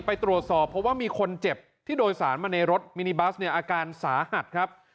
ไปตรวจสอบเพราะว่ามีคนเจ็บที่โดยสารมาในรถมินิบัสเนี่ยอาการสาหัสครับ